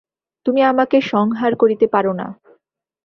তুমি আমাকে সংহার করিতে পার না।